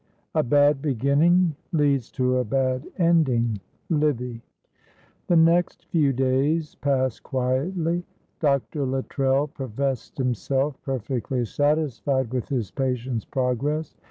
"A bad beginning leads to a bad ending." Livy. The next few days passed quietly. Dr. Luttrell professed himself perfectly satisfied with his patient's progress.